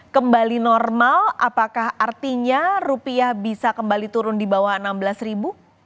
kembali normal apakah artinya rupiah bisa kembali turun di bawah enam belas ribu